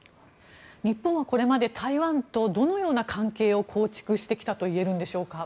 日本はこれまで台湾とどのような関係を構築してきたと言えるんでしょうか？